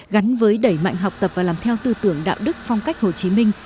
gắn với đẩy mạnh học tập và làm theo tư tưởng đạo đức phong cách hồ chí minh